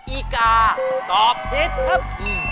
อีกาตอบพิษครับอืม